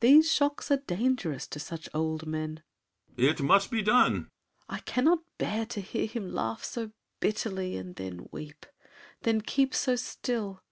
These shocks are dangerous to such old men. BRICHANTEAU. It must be done! SAVERNY. I cannot bear to hear Him laugh so bitterly, then weep; then keep So still!